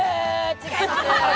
違います。